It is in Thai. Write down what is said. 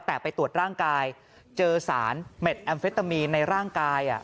แต่ไปตรวจร่างกายเจอสารเม็ดแอมเฟตามีนในร่างกาย